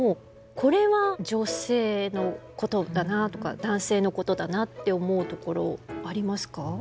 これは女性のことだなとか男性のことだなって思うところありますか？